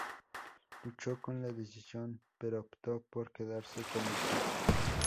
Luchó con la decisión, pero optó por quedarse con el Sur.